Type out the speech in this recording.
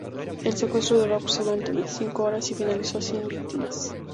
El secuestro duró aproximadamente cinco horas y finalizó sin víctimas.